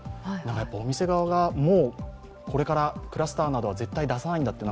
お店側が、もうこれからクラスターなどを絶対出さないんだという